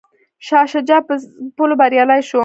شاه شجاع په ځپلو بریالی شو.